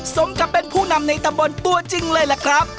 สมกับเป็นผู้นำในตำบลตัวจริงเลยล่ะครับ